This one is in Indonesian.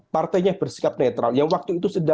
partainya bersikap netral yang waktu itu